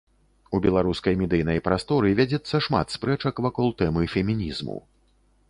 У беларускай медыйнай прасторы вядзецца шмат спрэчак вакол тэмы фемінізму.